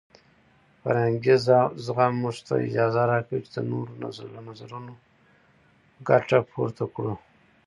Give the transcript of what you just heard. فرهنګي زغم موږ ته اجازه راکوي چې د نورو له نظرونو ګټه پورته کړو.